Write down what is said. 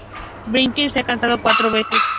Brinkley se ha casado cuatro veces.